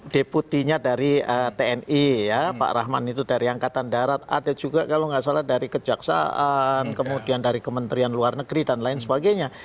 deputinya dari tni ya pak rahman itu dari angkatan darat ada juga kalau nggak salah dari kejaksaan kemudian dari kementerian luar negeri dan lain sebagainya